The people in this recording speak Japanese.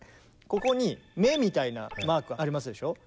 ここに目みたいなマークありますでしょう。